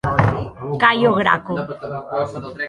Cayo Graco.